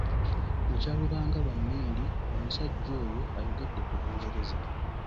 Bukya lubanga lwa mmindi, omusajja oyo ayogedde ku Lungereza.